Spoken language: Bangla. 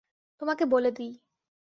তোমাকে বলে দিই।